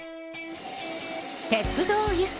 「鉄道輸送」。